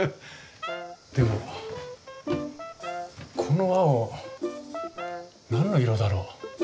でもこの青何の色だろう？